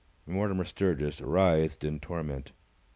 Mortimer Sturgis writhed in torment.